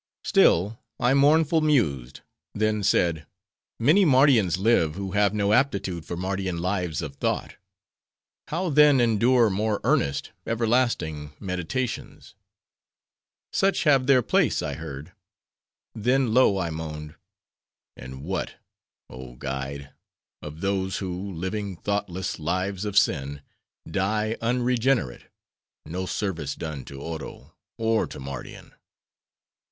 "Still, I mournful mused; then said:—'Many Mardians live, who have no aptitude for Mardian lives of thought: how then endure more earnest, everlasting, meditations?' "'Such have their place,' I heard. "'Then low I moaned, 'And what, oh! guide! of those who, living thoughtless lives of sin, die unregenerate; no service done to Oro or to Mardian?